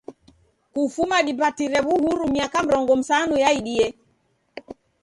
Kufuma dipatire w'uhuru miaka mrongo msanu yaidie.